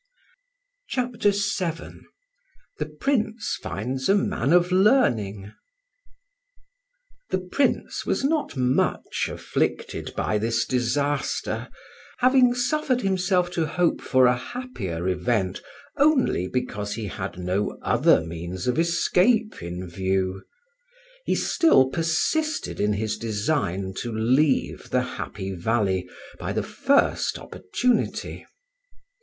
CHAPTER VII THE PRINCE FINDS A MAN OF LEARNING. THE Prince was not much afflicted by this disaster, having suffered himself to hope for a happier event only because he had no other means of escape in view. He still persisted in his design to leave the Happy Valley by the first opportunity.